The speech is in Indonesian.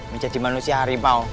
menjadi manusia harimau